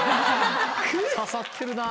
刺さってるなぁ。